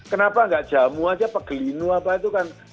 kenapa nggak jamu aja pegelinu apa itu kan